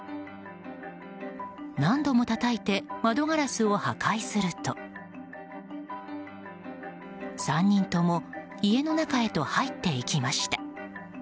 何度もたたいて窓ガラスを破壊すると３人とも家の中へと入っていきました。